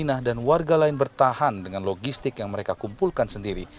inah dan warga lain bertahan dengan logistik yang mereka kumpulkan sendiri